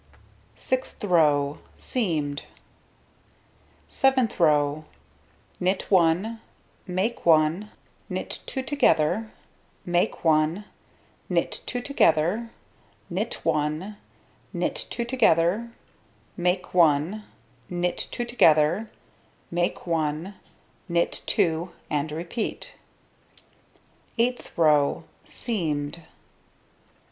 Sixth row: Seamed. Seventh row: Knit 1, make 1, knit 2 together, make 1, knit 2 together, knit 1, knit 2 together, make 1, knit 2 together, make 1, knit 2, and repeat. Eighth row: Seamed.